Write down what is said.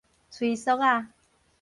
催速仔